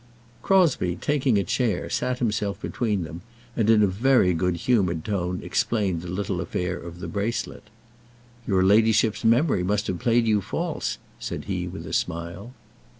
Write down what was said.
Crosbie, taking a chair, sat himself between them, and in a very good humoured tone explained the little affair of the bracelet. "Your ladyship's memory must have played you false," said he, with a smile.